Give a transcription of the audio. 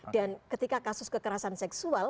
dan ketika kasus kekerasan seksual